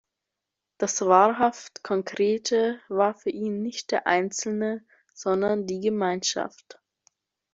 Das wahrhaft Konkrete war für ihn nicht der Einzelne, sondern die Gemeinschaft.